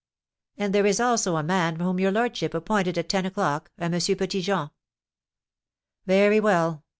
"And there is also a man whom your lordship appointed at ten o'clock, a M. Petit Jean." "Very well.